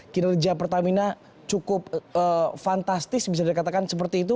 kinerja pertamina cukup fantastis bisa dikatakan seperti itu